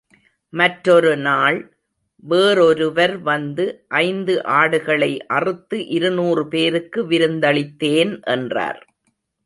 மற்றொரு நாள், வேறொருவர் வந்து ஐந்து ஆடுகளை அறுத்து இருநூறு பேருக்கு விருந்தளித்தேன் என்றார்.